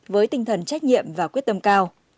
với tinh thần trách nhiệm và quyết tâm cao